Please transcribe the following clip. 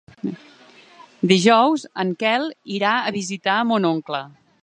Dijous en Quel irà a visitar mon oncle.